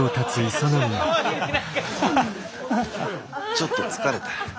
ちょっと疲れた。